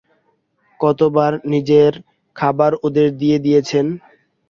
কতবার নিজের খাবার ওদের দিয়ে দিয়েছেন।